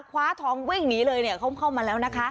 คว้าทองเว้ยอย่างงี้เลยเนี่ยเข้ามาแล้วนะคะ